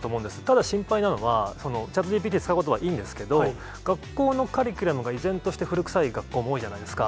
ただ心配なのは、チャットＧＰＴ使うことはいいんですけど、学校のカリキュラムが依然として古臭い学校も多いじゃないですか。